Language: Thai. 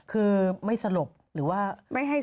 คือไม่สลบหรือว่า